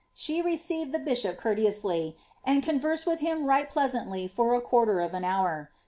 She raceived the bishop conrteoody, and conversed with him right pleasaatly fert quarter of an hour.